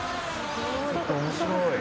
面白い。